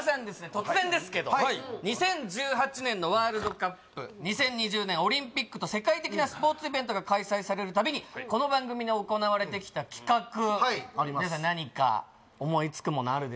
突然ですけども・はい２０１８年のワールドカップ２０２０年オリンピックと世界的なスポーツイベントが開催されるたびにこの番組で行われてきた企画はい皆さん何か思いつくものあるでしょうか？